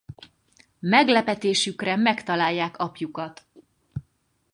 Meglepetésükre megtalálják apjukat.